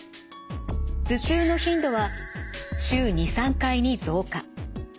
頭痛の頻度は週２３回に増加。